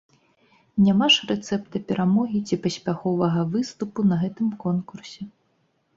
Няма ж рэцэпта перамогі ці паспяховага выступу на гэтым конкурсе.